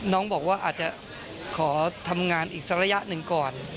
น้องบอกว่าอาจจะขอทำงานอีกสักระยะหนึ่งก่อน